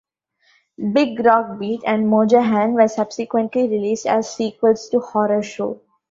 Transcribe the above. "Big Rock Beat" and "Mojo Hand" were subsequently released as sequels to "Horror Show".